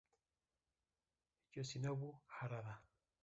Yoshinobu Harada